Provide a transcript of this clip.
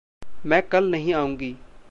मैं कल नहीं आउंगी।